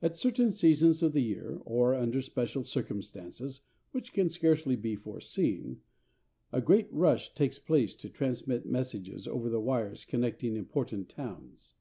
At certain seasons of the year or under special circumstances which can scarcely be foreseen, a great rush takes place to transmit messages over the wires connecting important towns.